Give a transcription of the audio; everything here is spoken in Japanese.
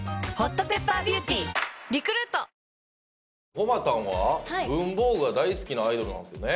ほまたんは文房具が大好きなアイドルなんですよね？